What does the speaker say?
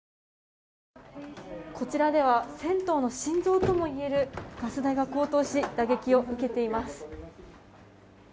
こちらでは銭湯の心臓ともいえるガス代が高騰し打撃を受けています。